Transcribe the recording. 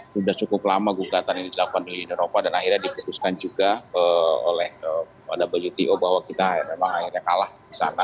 sudah cukup lama gugatan ini dilakukan di eropa dan akhirnya diputuskan juga oleh wto bahwa kita memang akhirnya kalah di sana